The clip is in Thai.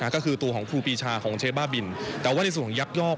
ก็คือตัวของครูปีชาของเจ๊บ้าบินแต่ว่าในส่วนของยักยอก